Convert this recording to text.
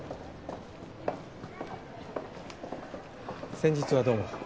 先日はどうも。